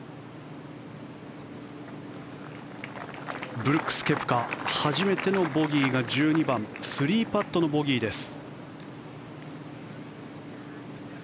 ブルックス・ケプカ初めてのボギーが１２番３パットのボギーです。